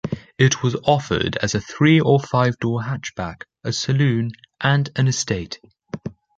It was offered as a three or five-door hatchback, a saloon, and an estate.